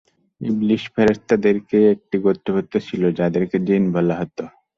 ইবলীস ফেরেশতাদেরই একটি গোত্রভুক্ত ছিল যাদেরকে জিন বলা হতো।